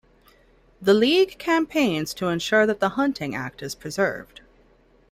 The League campaigns to ensure that the Hunting Act is preserved.